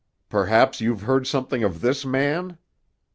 "Perhaps you've heard something of this man?"